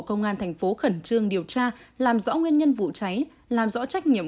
công an thành phố khẩn trương điều tra làm rõ nguyên nhân vụ cháy làm rõ trách nhiệm